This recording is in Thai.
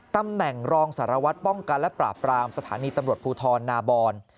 ตำแหน่งรองสารวัตรป้องกันและปราบปรามสถานีตำรวจภูทรนาบอน